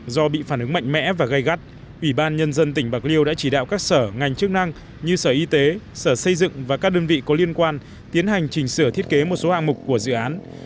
do bị phản ứng mạnh mẽ và gây gắt ủy ban nhân dân tỉnh bạc liêu đã chỉ đạo các sở ngành chức năng như sở y tế sở xây dựng và các đơn vị có liên quan tiến hành chỉnh sửa thiết kế một số hạng mục của dự án